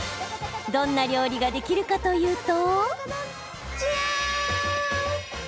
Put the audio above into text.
どんな料理ができるかというと。